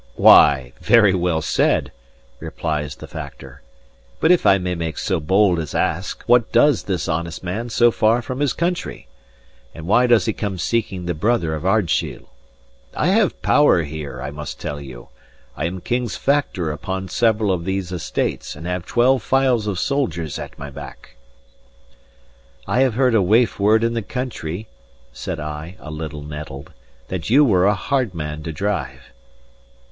"Why, very well said," replies the Factor. "But if I may make so bold as ask, what does this honest man so far from his country? and why does he come seeking the brother of Ardshiel? I have power here, I must tell you. I am King's Factor upon several of these estates, and have twelve files of soldiers at my back." "I have heard a waif word in the country," said I, a little nettled, "that you were a hard man to drive."